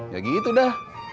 ya gitu dah